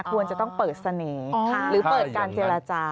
ควรจะต้องเปิดเสน่ห์หรือเปิดการเจรจา